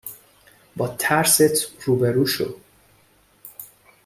با ترسات روبرو شو